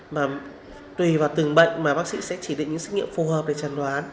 mà tùy vào từng bệnh mà bác sĩ sẽ chỉ định những xét nghiệm phù hợp để chẩn đoán